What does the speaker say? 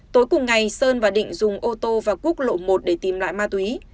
tối cùng ngày sơn và định dùng ô tô vào quốc lộ một để tìm loại ma túy